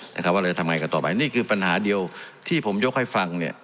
ว่าเราจะทำยังไงกันต่อไปนี่คือปัญหาเดียวที่ผมยกให้ฟัง